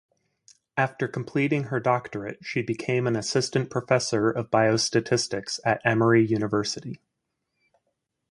After completing her doctorate she became an assistant professor of biostatistics at Emory University.